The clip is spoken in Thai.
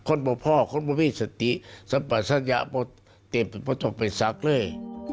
คนบ่พ่อคนบ่พิสัติสัมปัสสัญะหมดเต็มไปประจงไปสักเลย